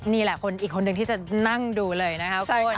นี่แหละคนอีกคนนึงที่จะนั่งดูเลยนะคะคุณ